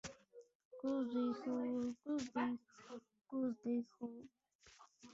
Дефицит средств, выделяемых на цели финансирования развития, продолжает расти.